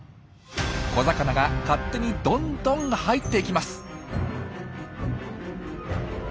小魚が勝手にどんどん入っていきます。